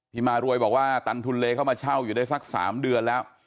มารวยบอกว่าตันทุนเลเข้ามาเช่าอยู่ได้สัก๓เดือนแล้ว